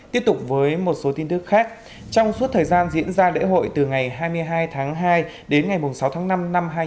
tiếp tục với một số tin tức khác trong suốt thời gian diễn ra lễ hội từ ngày hai mươi hai tháng hai đến ngày sáu tháng năm năm hai nghìn hai mươi